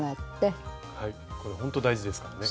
これほんと大事ですからね。